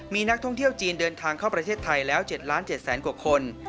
มีนักท่องเที่ยวจีนเดินทางเข้าประเทศไทยแล้ว๗๗๐๐กว่าคน